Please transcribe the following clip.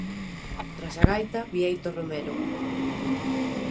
Tras a gaita, Bieito Romero.